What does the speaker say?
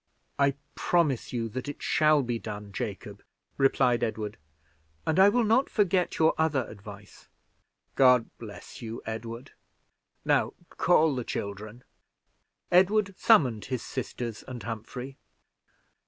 "I promise you that it shall be done, Jacob," replied Edward, "and I will not forget your other advice." "God bless you, Edward. Now call the children." Edward summoned his sisters and Humphrey.